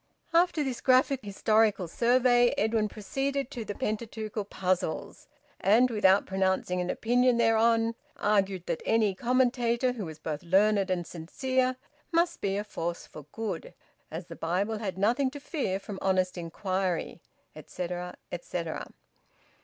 After this graphic historical survey, Edwin proceeded to the Pentateuchal puzzles, and, without pronouncing an opinion thereon, argued that any commentator who was both learned and sincere must be a force for good, as the Bible had nothing to fear from honest inquiry, etcetera, etcetera.